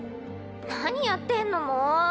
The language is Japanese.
何やってんのも。